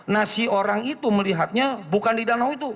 nah si orang itu melihatnya bukan di danau itu